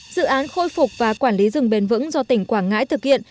dự án khôi phục và quản lý rừng bền vững do tỉnh quảng ngãi thực hiện